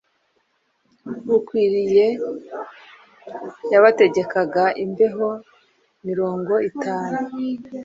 bukwiriye yabategekaga imbeho mirongo itanu